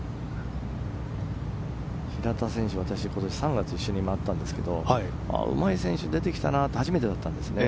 平田選手は私、３月一緒に回りましたがうまい選手出てきたなって初めてだったんですね。